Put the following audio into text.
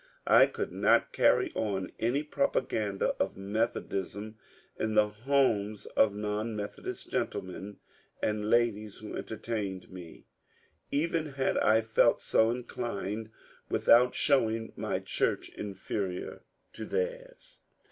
I could not carry on any propaganda of Methodism in the homes of non Methodist gentlemen and ladies who entertained me, — even had I felt so inclined, — without showing my church inferior to theirs.